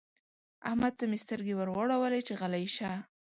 احمد ته مې سترګې ور واړولې چې غلی شه.